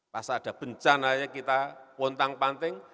pas ada bencana kita puntang panting